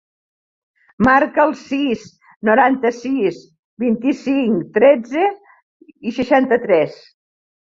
Marca el sis, noranta-sis, vint-i-cinc, tretze, seixanta-tres.